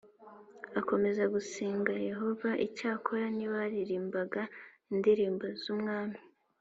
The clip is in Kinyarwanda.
akomeze gusenga Yehova Icyakora ntibaririmbaga indirimbo z Ubwami